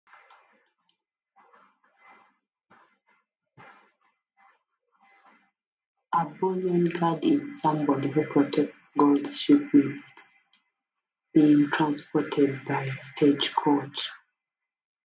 A bullion guard is somebody who protects gold shipments being transported by stagecoach.